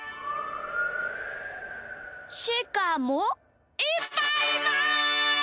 しかもいっぱいいます！